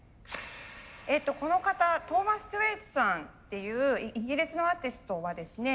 この方トーマス・トウェイツさんっていうイギリスのアーティストはですね